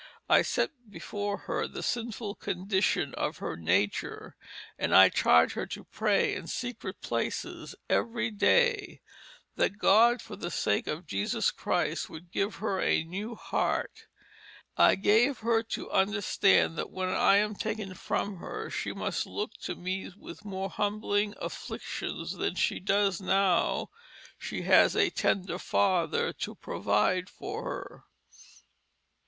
I sett before her the sinful Condition of her Nature, and I charged her to pray in Secret Places every Day. That God for the sake of Jesus Christ would give her a New Heart. I gave her to understand that when I am taken from her she must look to meet with more humbling Afflictions than she does now she has a Tender Father to provide for her."